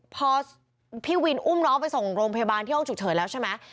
พอพี่วินอุ้มน้องไปส่งโรงพยาบาลที่ห้องฉุกเฉินแล้วใช่ไหม